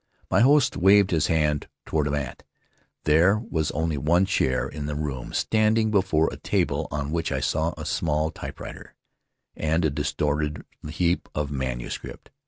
My host waved his hand toward a mat. There was only one chair in the room, standing before a table on which I saw a small typewriter and a disordered heap of manuscript.